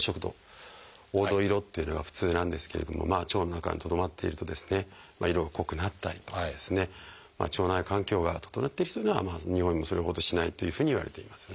黄土色っていうのが普通なんですけれども腸の中にとどまっているとですね色が濃くなったりとか腸内環境が整っている人というのはにおいもそれほどしないというふうにいわれています。